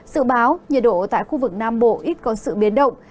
sự báo nhiệt độ tại khu vực nam bộ ít có sự biến động